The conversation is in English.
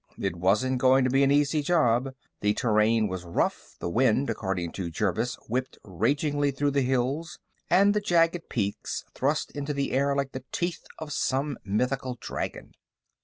It wasn't going to be an easy job; the terrain was rough, the wind, according to Jervis, whipped ragingly through the hills, and the jagged peaks thrust into the air like the teeth of some mythical dragon.